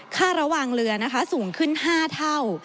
ค่าระวังเรือนะคะสูงขึ้น๕เท่า